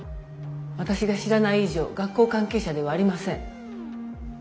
私が知らない以上学校関係者ではありません。